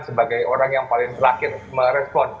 sebagai orang yang paling terakhir merespon